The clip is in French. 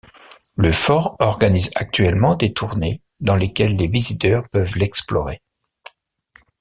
Le fort organise actuellement des tournées dans lesquelles les visiteurs peuvent l'explorer.